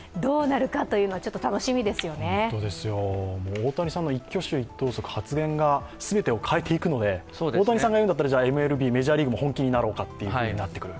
大谷さんの一挙手一投足、発言が全てを変えていくので、大谷さんが言うんだったら、ＭＬＢメジャーリーグも本気になろうかとなってくる。